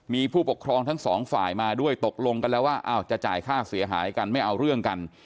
มีผู้ปกครองทั้งสองฝ่ายมาด้วยตกลงกันแล้วว่าจะจ่ายค่าเสียหายกันไม่เอาเรื่องกัน